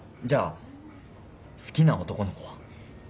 じゃあ好きな男の子は？